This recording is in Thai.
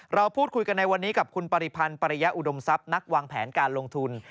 เราพูดคุยกันในวันนี้กับคุณปริพันธ์ปริยะอุดมทรัพย์นักวางแผนการลงทุน